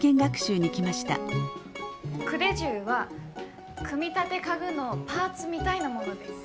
組手什は組み立て家具のパーツみたいなものです。